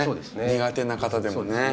苦手な方でもね。